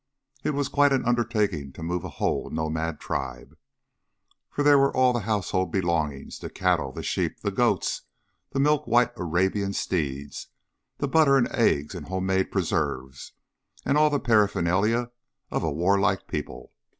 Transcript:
It was quite an undertaking to move a whole nomad tribe, for there were all the household belongings, the cattle, the sheep, the goats, the milk white Arabian steeds, the butter and eggs and homemade preserves, and all the paraphernalia of a warlike people.